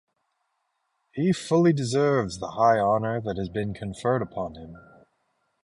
He fully deserves the high honour that has been conferred upon him.